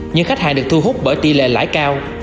nhưng khách hàng được thu hút bởi tỷ lệ lãi cao